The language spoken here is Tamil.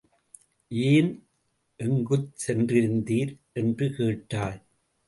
ஏன் எங்குச் சென்றிருந்தீர்? என்று கேட்டாள்.